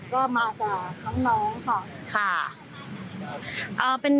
ก็มาจากน้องค่ะ